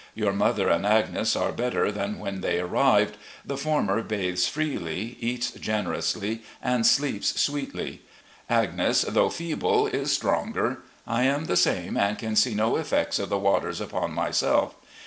Your mother and Agnes are better than when they arrived. The former bathes freely, eats generously, and sleeps sweetly. Agnes, though feeble, is stronger. I am the same, and can see no effects of the waters upon myself.